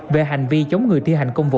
về hành vi chống người thi hành công vụ